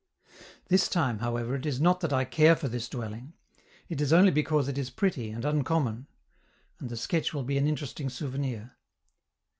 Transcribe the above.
This time, however, it is not that I care for this dwelling; it is only because it is pretty and uncommon, and the sketch will be an interesting souvenir.